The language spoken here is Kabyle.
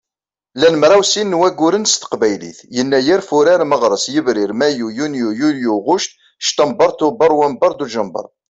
Llan mraw sin n wagguren s teqbaylit: Yennayer, Fuṛar, Meɣres, Yebrir, Mayyu, Yunyu, Yulyu, Ɣuct, Ctamber, Tuber, Wamber, Dujember.